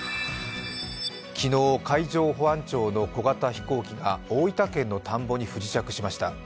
昨日、海上保安庁の小型飛行機が大分県の田んぼに不時着しました。